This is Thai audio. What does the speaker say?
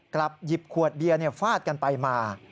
กลับหยิบขวดเบียร์เนี่ยฟาดกันไปมา